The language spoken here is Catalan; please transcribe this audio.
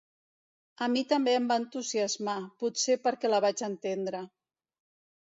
A mi també em va entusiasmar, potser perquè la vaig entendre.